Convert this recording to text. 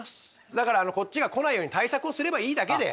だからこっちが来ないように対策をすればいいだけで。